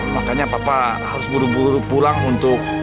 makanya papa harus buru buru pulang untuk